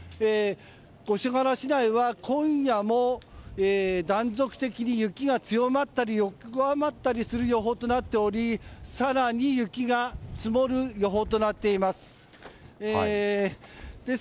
五所川原市内は今夜も断続的に雪が強まったり弱まったりする予報となっており、更に雪が積もる予報となっています。